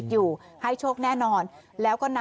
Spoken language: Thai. ปลูกมะพร้าน้ำหอมไว้๑๐ต้น